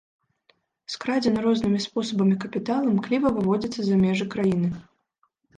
Скрадзены рознымі спосабамі капітал імкліва выводзіцца за межы краіны.